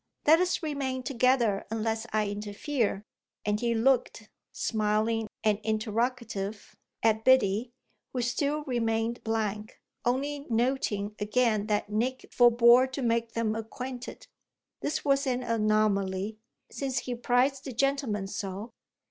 Let us remain together unless I interfere" and he looked, smiling and interrogative, at Biddy, who still remained blank, only noting again that Nick forbore to make them acquainted. This was an anomaly, since he prized the gentleman so.